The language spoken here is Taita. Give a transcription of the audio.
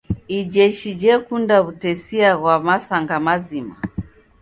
Ijeshi jekunda w'utesia ghwa masanga mazima.